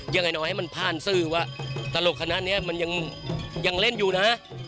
ยังไงหน่อยให้มันผ่านซื้อว่าตลกขนาดเนี้ยมันยังยังเล่นอยู่นะ